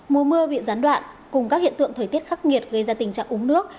mùa mưa bị gián đoạn cùng các hiện tượng thời tiết khắc nghiệt gây ra tình trạng úng nước